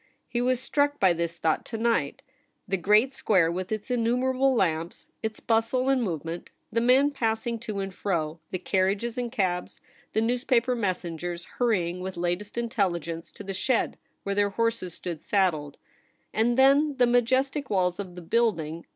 He was struck by this thought to nio^ht. The great square, with its innumerable lamps, its bustle and movement, the men passing to and fro, the carriages and cabs, the newspaper messengers hurrying with latest intelligence to the shed where their horses stood saddled ; and then the majestic walls of the building, 7—2 loo THE REBEL ROSE.